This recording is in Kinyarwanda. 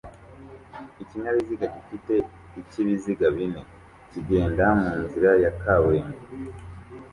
Ikinyabiziga gifite ibiziga bine kigenda munzira ya kaburimbo